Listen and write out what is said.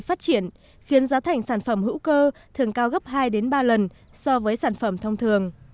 phát triển khiến giá thành sản phẩm hữu cơ thường cao gấp hai ba lần so với sản phẩm thông thường